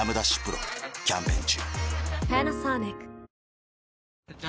丕劭蓮キャンペーン中